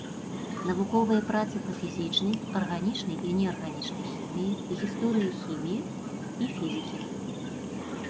Навуковыя працы па фізічнай, арганічнай і неарганічнай хіміі, гісторыі хіміі і фізікі.